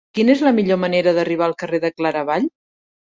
Quina és la millor manera d'arribar al carrer de Claravall?